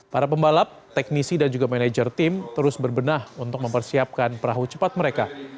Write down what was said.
para pembalap teknisi dan juga manajer tim terus berbenah untuk mempersiapkan perahu cepat mereka